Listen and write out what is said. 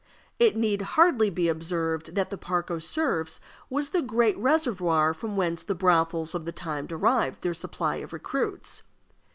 It need hardly be observed that the Parc aux Cerfs was the great reservoir from whence the brothels of the time derived their supply of recruits.